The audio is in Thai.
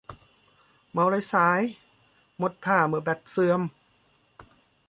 เมาส์ไร้สายหมดท่าเมื่อแบตเสื่อม